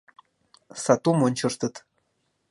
Сатум ончыштыт.